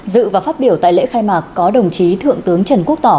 dự và phát biểu tại lễ khai mạc có đồng chí thượng tướng trần quốc tỏ